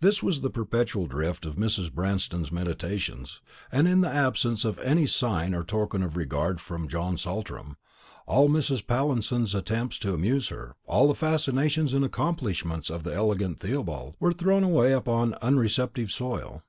This was the perpetual drift of Mrs. Branston's meditations; and in the absence of any sign or token of regard from John Saltram, all Mrs. Pallinson's attempts to amuse her, all the fascinations and accomplishments of the elegant Theobald, were thrown away upon an unreceptive soil.